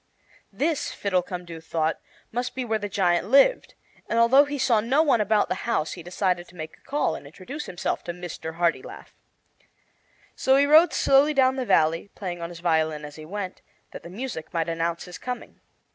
This, Fiddlecumdoo thought, must be where the giant lived; and, although he saw no one about the house, he decided to make a call and introduce himself to Mr. Hartilaf. So he rode slowly down the valley, playing on his violin as he went, that the music might announce his coming.